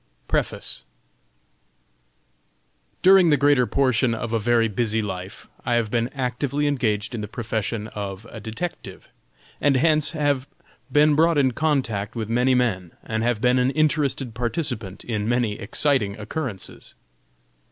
PREFACE. During the greater portion of a very busy life, I have been actively engaged in the profession of a Detective, and hence have been brought in contact with many men, and have been an interested participant in many exciting occurrences.